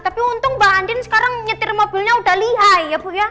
tapi untung mbak andin sekarang nyetir mobilnya udah lihai ya bu ya